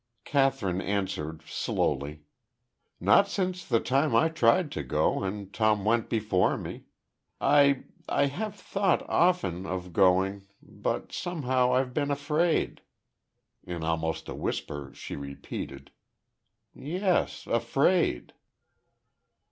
Kathryn answered, slowly: "Not since the time I tried to go, and Tom went before me. I I have thought, often, of going.... But, somehow, I've been afraid." In almost a whisper, she repeated, "Yes.... Afraid!"